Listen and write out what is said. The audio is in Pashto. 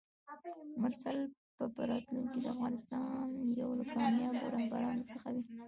مرسل به په راتلونکي کې د افغانستان یو له کاميابو رهبرانو څخه وي!